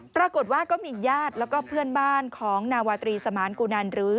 ปรากฏว่าก็มีญาติแล้วก็เพื่อนบ้านของนาวาตรีสมานกุนันหรือ